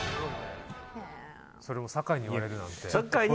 それも酒井に言われるなんて。